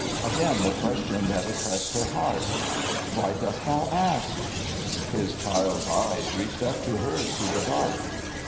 '* Again the question that oppressed her heart! "Why dost thou ask?" His child's eyes reached up to hers through the dark.